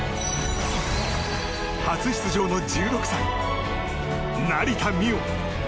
初出場の１６歳、成田実生。